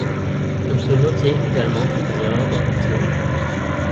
On peut noter également quelques erreurs dans le film.